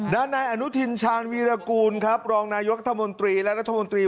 ด้านในอนุทินชาญวีรกูลครับรองนายุรัฐมนตรี